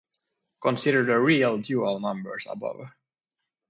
Consider the real dual numbers above.